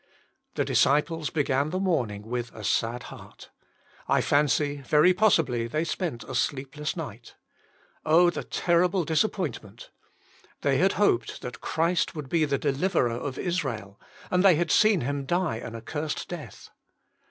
The disciples began the morning with a sad heart. I fancy very possibly they spent a sleepless night. Oh! the terrible disappointment ! They had hoped that Christ would be the Deliv erer of Israel, and they had seen Him die an accursed death.